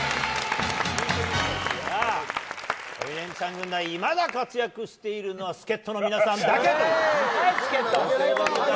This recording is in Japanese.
「鬼レンチャン」軍団いまだ活躍しているのは助っ人の皆さんだけという。